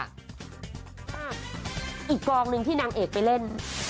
อีกกองหนึ่งที่นางเอกไปเล่น